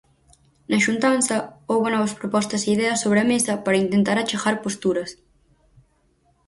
Na xuntanza, houbo novas propostas e ideas sobre a mesa para intentar achegar posturas.